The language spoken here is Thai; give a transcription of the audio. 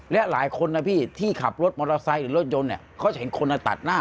และหลายคนนะพี่ที่ขับรถมอเตอร์ไซค์หรือรถยนต์เนี่ยเขาจะเห็นคนตัดหน้า